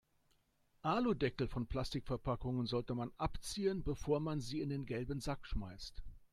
Aludeckel von Plastikverpackungen sollte man abziehen, bevor man sie in den gelben Sack schmeißt.